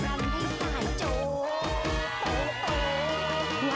โจ๊กโจ๊กโจ๊กโจ๊กโจ๊กโจ๊กโจ๊กโจ๊ก